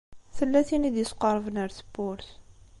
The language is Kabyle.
Tella tin i d-isqeṛben ar tewwurt.